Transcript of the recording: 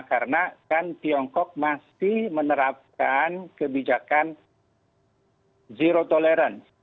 karena kan tiongkok masih menerapkan kebijakan zero tolerance